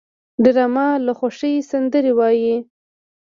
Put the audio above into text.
ډرامه له خوښۍ سندرې وايي